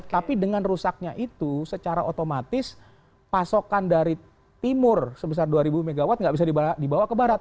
tapi dengan rusaknya itu secara otomatis pasokan dari timur sebesar dua ribu mw tidak bisa dibawa ke barat